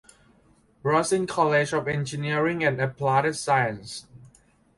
Rossin College of Engineering and Applied Science.